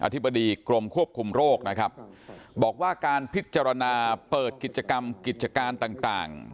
ธิบดีกรมควบคุมโรคนะครับบอกว่าการพิจารณาเปิดกิจกรรมกิจการต่างต่าง